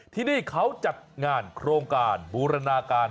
ที่นี่เขาจัดงานโครงการบูรณาการ